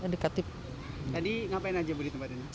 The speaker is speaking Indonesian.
jadi ngapain aja di tempat ini